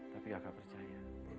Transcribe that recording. tapi kakak percaya